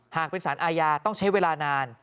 หากเป็นสารอาญาต้องใช้เวลานาน